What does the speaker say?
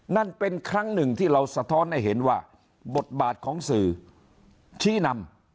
นั่นเป็นครั้งหนึ่งที่เราสะท้อนให้เห็นว่าบทบาทของสื่อชี้นำ